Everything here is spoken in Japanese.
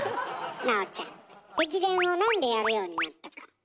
南朋ちゃん駅伝をなんでやるようになったか。